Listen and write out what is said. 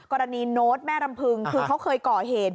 โน้ตแม่รำพึงคือเขาเคยก่อเหตุ